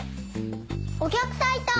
お客さんいた！